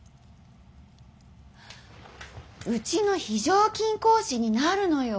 うちの非常勤講師になるのよ。